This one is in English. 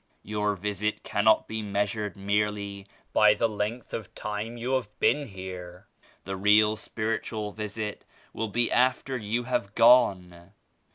Your visit cannot be measured merely by the length of time you have been here. The real spiritual visit will be after you have gone.